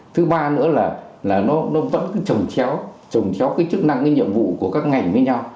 thứ ba nữa là nó vẫn trồng chéo trồng chéo cái chức năng cái nhiệm vụ của các ngành với nhau